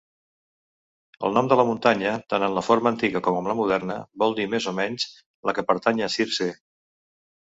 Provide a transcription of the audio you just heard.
El nom de la muntanya, tant en la forma antiga com en la moderna, vol dir més o menys "la que pertany a Circe".